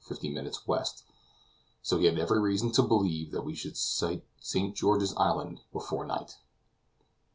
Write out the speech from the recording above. so that he had every reason to believe that we should sight St. George's Island before night.